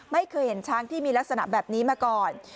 ไม่เคยเห็นช้างที่มีลักษณะแบบนี้มาก่อน